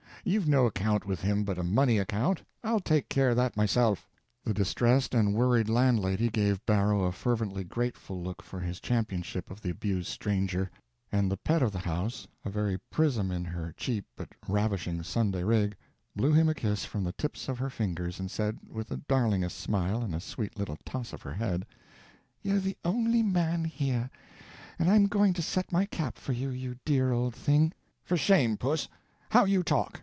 You've no account with him but a money account. I'll take care of that myself." The distressed and worried landlady gave Barrow a fervently grateful look for his championship of the abused stranger; and the pet of the house, a very prism in her cheap but ravishing Sunday rig, blew him a kiss from the tips of her fingers and said, with the darlingest smile and a sweet little toss of her head: "You're the only man here, and I'm going to set my cap for you, you dear old thing!" "For shame, Puss! How you talk!